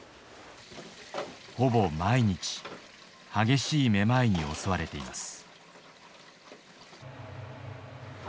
ほぼ毎日激しいめまいに襲われています。